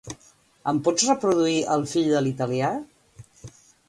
Em pots reproduir "El fill de l'italià"?